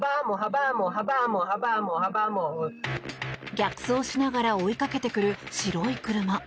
逆走しながら追いかけてくる白い車。